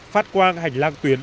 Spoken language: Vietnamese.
phát quan hành lang tuyến